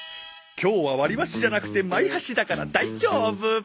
今日は割り箸じゃなくてマイ箸だから大丈夫。